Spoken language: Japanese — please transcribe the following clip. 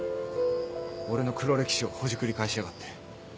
俺の黒歴史をほじくり返しやがって。